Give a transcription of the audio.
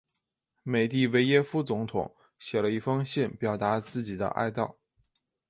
美的维耶夫总统写了一封信表达自己的哀悼。